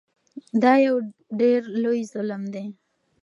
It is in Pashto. دا یو ډیر لوی ظلم و.